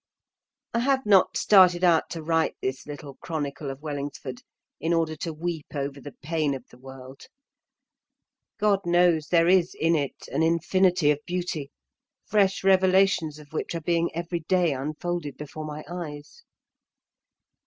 I have not started out to write this little chronicle of Wellingsford in order to weep over the pain of the world. God knows there is in it an infinity of beauty, fresh revelations of which are being every day unfolded before my eyes.